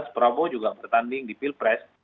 prabowo juga bertanding di pilpres